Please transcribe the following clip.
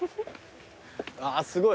あっすごい。